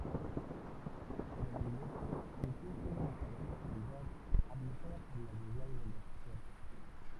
Pero Mileto sintió su prosperidad amenazada por la llegada de los persas.